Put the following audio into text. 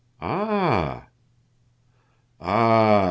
Ah! Ah!"